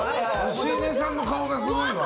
芳根さんの顔がすごいわ。